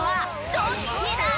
どっちだー！？